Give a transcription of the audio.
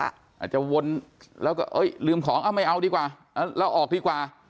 อาจจะวนแล้วก็เอ้ยลืมของไม่เอาดีกว่าเราออกดีกว่า